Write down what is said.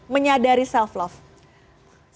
menyadari self love